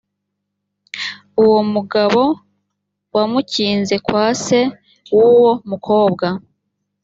uwo mugabo wamukinze kwase w’ uwo mukobwa.